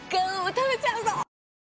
食べちゃうぞ！